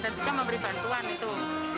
dan juga memberi bantuan gitu